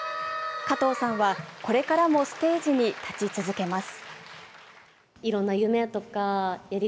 加藤さんは、これからもステージに立ち続けます。